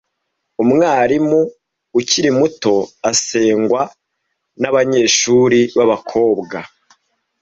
Umwarimu ukiri muto asengwa nabanyeshuri babakobwa.